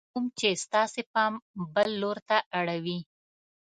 کوم چې ستاسې پام بل لور ته اړوي :